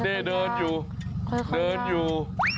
เด้เดินอยู่ค่อยอยู่